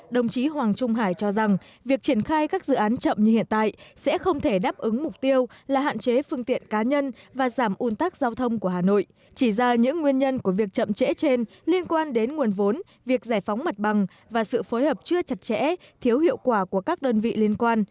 đồng chí hoàng trung hải yêu cầu đẩy nhanh tiến độ các dự án bởi với tiến độ chậm như hiện nay sẽ không thể đáp ứng được yêu cầu về phát triển đô thị và tốc độ gia tăng dân số của thành phố